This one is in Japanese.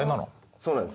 そうなんです。